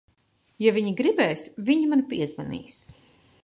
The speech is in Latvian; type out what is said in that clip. Ja viņa gribēs, viņa man piezvanīs.